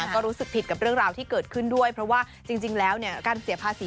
ก็รู้สึกผิดกับเรื่องราวที่เกิดขึ้นด้วยเพราะว่าจริงแล้วการเสียภาษี